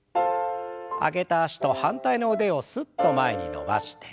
上げた脚と反対の腕をすっと前に伸ばして。